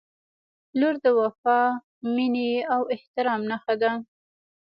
• لور د وفا، مینې او احترام نښه ده.